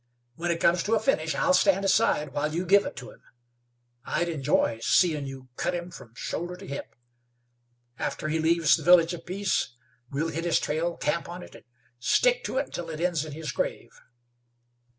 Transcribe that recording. When it comes to a finish, I'll stand aside while you give it to him. I'd enjoy seein' you cut him from shoulder to hip. After he leaves the Village of Peace we'll hit his trail, camp on it, and stick to it until it ends in his grave."